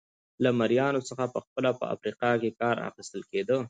له مریانو څخه په خپله په افریقا کې کار اخیستل کېده.